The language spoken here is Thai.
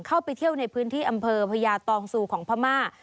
เข้าไปเที่ยวในพื้นที่อำเภอพญาตองซูของพม่า